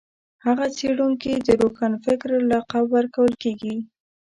هغه څېړونکي روښانفکر لقب ورکول کېږي